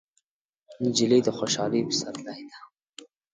نجلۍ د خوشحالۍ پسرلی ده.